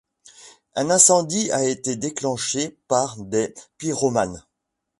Un incendie a été déclenché par des pyromanes.